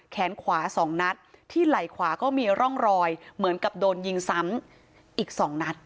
แขนขวา๒นัดที่ไหล่ขวาก็มีร่องรอยเหมือนกับโดนยิงซ้ำอีก๒นัด